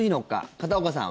片岡さん